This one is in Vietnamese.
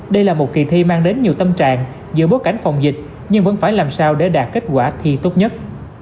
đây là một kỳ thi mang đến nhiều tâm trạng giữa bối cảnh phòng dịch nhưng vẫn phải làm sao để đạt kết quả thi tốt nhất